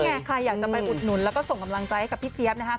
ใครอยากจะไปอุดหนุนแล้วก็ส่งกำลังใจให้กับพี่เจี๊ยบ